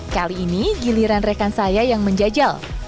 kali ini giliran rekan saya yang menjajal